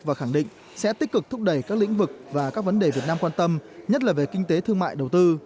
và khẳng định sẽ tích cực thúc đẩy các lĩnh vực và các vấn đề việt nam quan tâm nhất là về kinh tế thương mại đầu tư